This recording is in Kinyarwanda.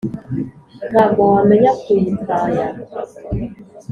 Nta bwo wamenya kuyikaya